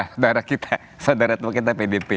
saudara kita saudara tua kita pdp